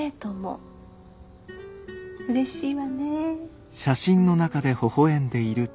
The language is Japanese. うれしいわね。